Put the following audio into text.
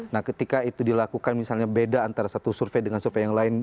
nah ketika itu dilakukan misalnya beda antara satu survei dengan survei yang lain